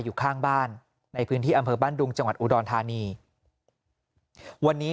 อยู่ข้างบ้านในพื้นที่อำเภอบ้านดุงจังหวัดอุดรธานีวันนี้